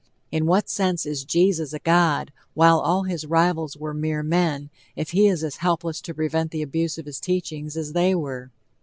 In what sense is Jesus a god, while all his rivals were "mere men," if he is as helpless to prevent the abuse of his teachings as they were?